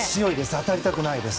当たりたくないです。